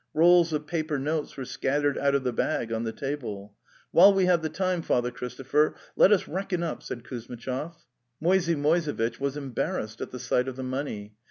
Rolls of paper notes were scattered out of the bag on the table. "While we have the time, Father Christopher, let us reckon up,"' said Kuzmitchov. Moisey Moisevitch was embarrassed at the sight of the money.